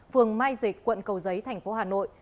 phường mai dịch quận cầu giấy thành phố hà nội